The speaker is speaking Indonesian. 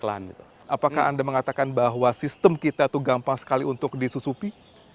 apakah anda mengatakan bahwa sistem kita itu gampang sekali untuk disusupi